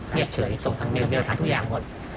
เงียบเฉยส่งทางเมล์ทางทุกอย่างหมด